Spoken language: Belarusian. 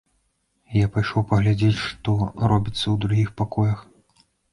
Я пайшоў паглядзець, што робіцца ў другіх пакоях.